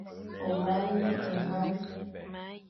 O ñga lighé ke ñgale,